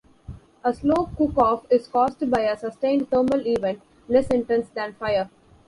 A slow cook-off is caused by a sustained thermal event less intense than fire.